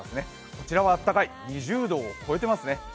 こちらは暖かい、２０度を超えていますね。